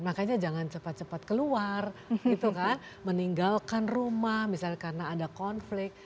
makanya jangan cepat cepat keluar gitu kan meninggalkan rumah misalnya karena ada konflik